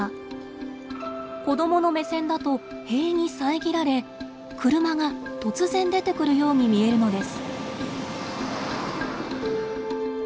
子どもの目線だと塀に遮られ車が突然出てくるように見えるのです。